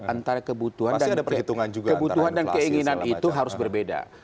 antara kebutuhan dan keinginan itu harus berbeda